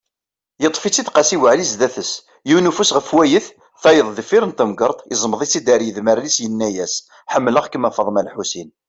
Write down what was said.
Yeṭṭef-itt-id Qasi waɛli zdat-s, yiwen ufus ɣef wayet, tayeḍ deffir n temgerḍt, iẓmeḍ-itt-id ar yidmaren-is, yenna-yas: Ḥemmleɣ-kem a Faḍma lḥusin.